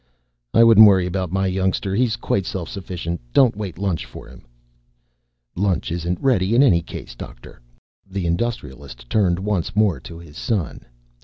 "I wouldn't worry about my youngster. He is quite self reliant. Don't wait lunch for him." "Lunch isn't ready in any case, Doctor." The Industrialist turned once more to his son.